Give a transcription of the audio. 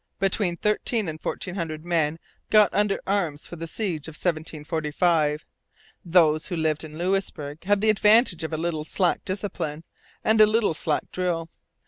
Between thirteen and fourteen hundred men were got under arms for the siege of 1745. Those who lived in Louisbourg had the advantage of a little slack discipline and a little slack drill.